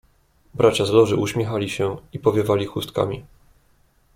"Bracia z Loży uśmiechali się i powiewali chustkami."